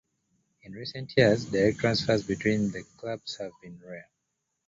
In recent years, direct transfers between the clubs have been rare.